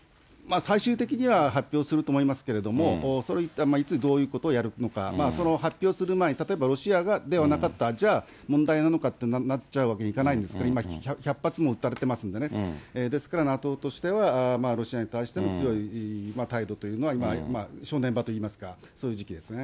最終的には発表すると思いますけれども、いつ、どういうことをやるのか、発表する前、例えばロシアではなかった、じゃあ、問題なのかってなっちゃうわけにいかないんです、今、１００発も撃たれてますんで、ですから、ＮＡＴＯとしてはロアに対しての強いタイドというのは、今、正念場といいますか、そういう時期ですね。